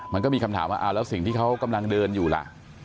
มันก็มีคำถามว่าแล้วสิ่งที่เขากำลังเดินอยู่ล่ะ